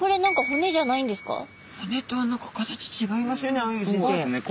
骨とは何か形違いますよね